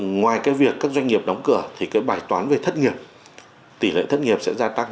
ngoài cái việc các doanh nghiệp đóng cửa thì cái bài toán về thất nghiệp tỷ lệ thất nghiệp sẽ gia tăng